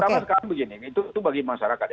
sama sekarang begini itu bagi masyarakat